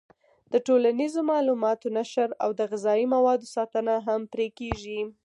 د ټولنیزو معلوماتو نشر او د غذایي موادو ساتنه هم پرې کېږي.